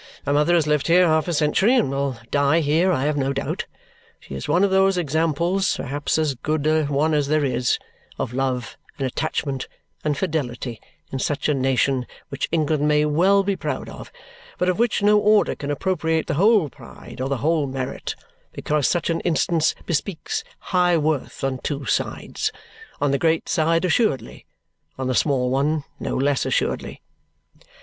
My mother has lived here half a century and will die here I have no doubt. She is one of those examples perhaps as good a one as there is of love, and attachment, and fidelity in such a nation, which England may well be proud of, but of which no order can appropriate the whole pride or the whole merit, because such an instance bespeaks high worth on two sides on the great side assuredly, on the small one no less assuredly."